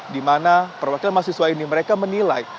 dimana perwakilan mahasiswa ini mereka menilai